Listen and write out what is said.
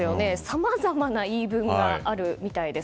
さまざまな言い分があるみたいです。